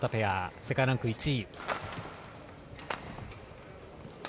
世界ランク１位。